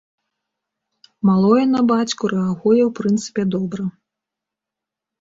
Малое на бацьку рэагуе ў прынцыпе добра.